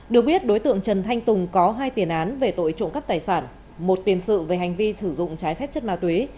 được biết đối tượng trần thanh tùng có hai tiền án về tội trộm cắp tài sản một tiền sự về hành vi sử dụng trái phép chất ma túy